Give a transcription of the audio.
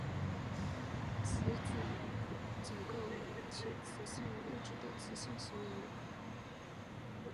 磁矩结构与铁磁性物质的磁性行为有关。